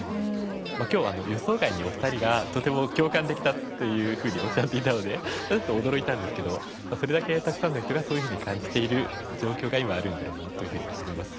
今日は予想外にお二人が「とても共感できた」とおっしゃっていたのでちょっと驚いたんですけどそれだけたくさんの人がそういうふうに感じている状況が今あるんだろうなと思います。